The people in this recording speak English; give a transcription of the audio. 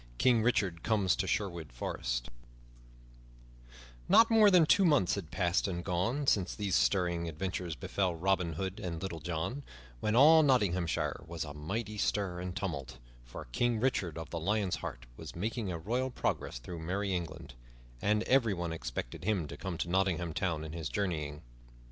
King Richard Comes to Sherwood Forest NOT MORE than two months had passed and gone since these stirring adventures befell Robin Hood and Little John, when all Nottinghamshire was a mighty stir and tumult, for King Richard of the Lion's Heart was making a royal progress through merry England, and everyone expected him to come to Nottingham Town in his journeying.